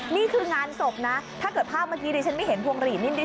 นี่คืองานศพนะถ้าเกิดภาพเมื่อกี้ดิฉันไม่เห็นพวงหลีดนิด